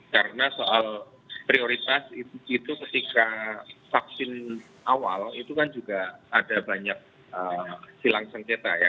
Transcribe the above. karena soal prioritas itu ketika vaksin awal itu kan juga ada banyak silang sengketa ya